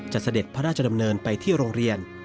เสด็จพระราชดำเนินไปที่โรงเรียน